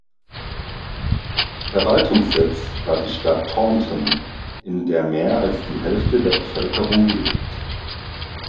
Verwaltungssitz war die Stadt Taunton, in der mehr als die Hälfte der Bevölkerung lebt.